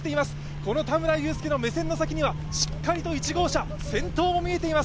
この田村友佑の目線の先にはしっかりと１号車、先頭が見えています。